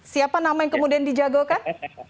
siapa nama yang kemudian dijagokan